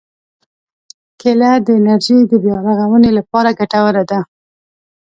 کېله د انرژي د بیا رغونې لپاره ګټوره ده.